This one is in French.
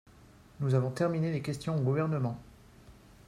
Nous avons terminé les questions au Gouvernement.